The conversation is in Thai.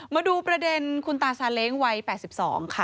มาดูประเด็นคุณตาซาเล้งวัย๘๒ค่ะ